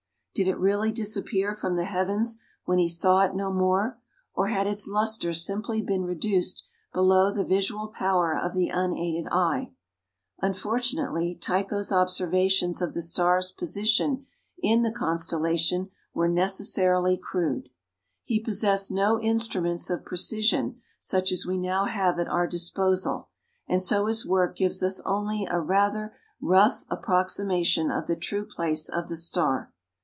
Did it really disappear from the heavens when he saw it no more, or had its lustre simply been reduced below the visual power of the unaided eye? Unfortunately, Tycho's observations of the star's position in the constellation were necessarily crude. He possessed no instruments of precision such as we now have at our disposal, and so his work gives us only a rather rough approximation of the true place of the star.